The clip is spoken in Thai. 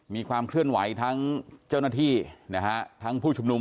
มีความเคลื่อนไหวทั้งเจ้าหน้าที่นะฮะทั้งผู้ชุมนุม